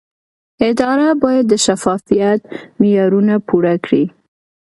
اداره باید د شفافیت معیارونه پوره کړي.